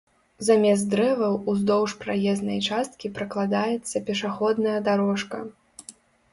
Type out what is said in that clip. Замест дрэваў ўздоўж праезнай часткі пракладаецца пешаходная дарожка.